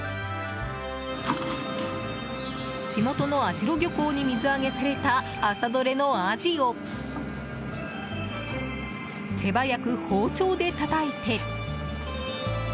地元の網代漁港に水揚げされた朝どれのアジを手早く包丁でたたいて。